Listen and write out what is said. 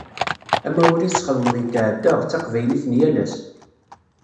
Amawal i tesxedmeḍ yetɛedda d taqbaylit n yal ass.